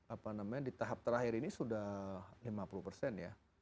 apa namanya di tahap terakhir ini sudah lima puluh persen ya